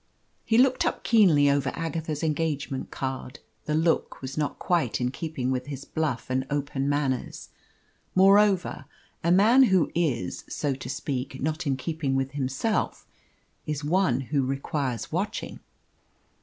He looked up keenly over Agatha's engagement card. The look was not quite in keeping with his bluff and open manners. Moreover, a man who is, so to speak, not in keeping with himself is one who requires watching.